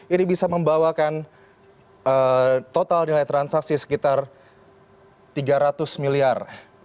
ini bisa membawakan total nilai transaksi sekitar tiga ratus miliar